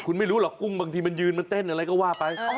คุณไม่รู้หรอกกุ้งบางทีมันยืนมันเต้นอะไรก็ว่าไป